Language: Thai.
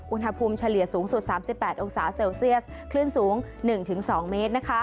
อุณหภูมิเฉลี่ยสูงสุด๓๘องศาเซลเซียสคลื่นสูง๑๒เมตร